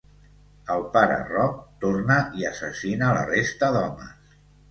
El pare Roc torna i assassina la resta d'homes.